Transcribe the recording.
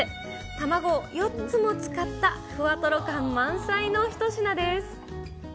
卵を４つも使ったふわとろ感満載の一品です。